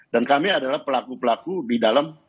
dan kami adalah pelaku pelaku di dalam